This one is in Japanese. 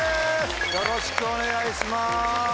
よろしくお願いします。